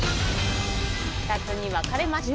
２つに分かれました。